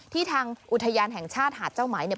ที่ทางอุทยานแห่งชาติหาดเจ้าหมาย